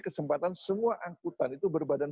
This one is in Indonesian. kesempatan semua angkutan itu berbadan